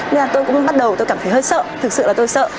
nên là tôi cũng bắt đầu tôi cảm thấy hơi sợ thực sự là tôi sợ